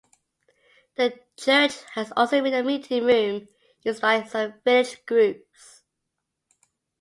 The church also has a meeting room used by some village groups.